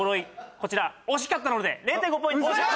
こちら惜しかったので０．５ポイント嘘やん！